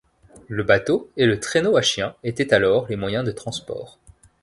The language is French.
Le bateau et le traîneau à chien étaient alors les moyens de transport.